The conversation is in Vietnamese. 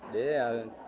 để bán tiền